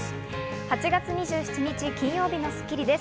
８月２７日、金曜日の『スッキリ』です。